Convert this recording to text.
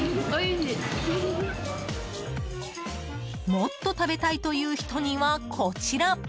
もっと食べたいという人にはこちら。